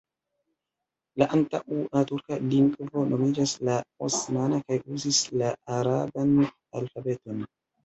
La antaŭa turka lingvo nomiĝas la osmana kaj uzis la araban alfabeton.